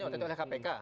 maksudnya ott oleh kpk